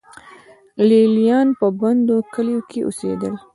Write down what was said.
لې لیان په بندو کلیو کې اوسېدل.